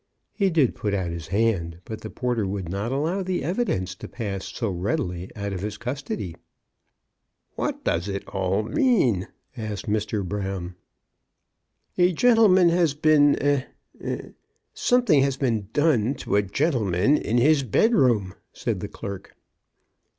He did put out his hand, but the porter would not allow the evidence to pass so readily out of his custody. What does it all mean? " asked Mr. Brown. A gentleman has been — eh — eh — Some thing has been done to a gentleman in his bed room," said the clerk.